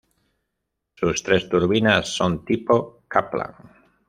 Sus tres turbinas son tipo Kaplan.